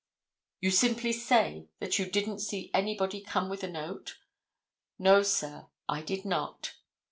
"You simply say that you didn't see anybody come with a note?" "No, sir; I did not."